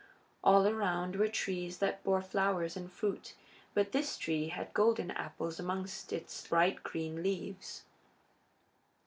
All around were trees that bore flowers and fruit, but this tree had golden apples amongst its bright green leaves.